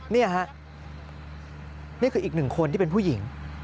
นี่ฮะนี่คืออีกหนึ่งคนที่เป็นผู้หญิง